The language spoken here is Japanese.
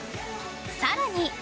更に、